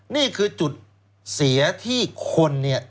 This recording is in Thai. นี่คือจุดเสียที่คนเนี่ย